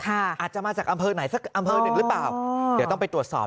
อาจจะมาจากอำเภอไหนสักอำเภอหนึ่งหรือเปล่าเดี๋ยวต้องไปตรวจสอบ